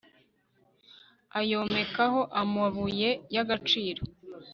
ayomekaho amabuye y agaciro